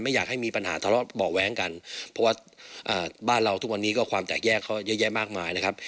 อยากให้มีปัญหาทะเลาะเบาะแว้งกันเพราะว่าบ้านเราทุกวันนี้ก็ความแตกแยกเขาเยอะแยะมากมายนะครับ